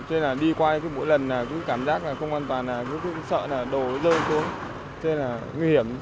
cho nên là đi qua mỗi lần cũng cảm giác không an toàn cũng sợ đồ rơi xuống cho nên là nguy hiểm